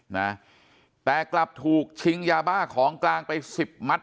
นะแต่กลับถูกชิงยาบ้าของกลางไปสิบมัด